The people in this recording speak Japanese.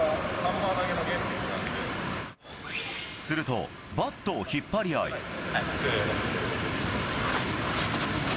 するとバットを引っ張り合い。